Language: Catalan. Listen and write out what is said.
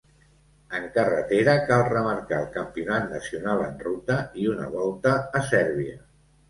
En carretera cal remarcar el Campionat nacional en ruta i una Volta a Sèrbia.